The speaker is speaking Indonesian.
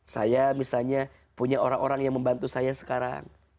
saya misalnya punya orang orang yang membantu saya sekarang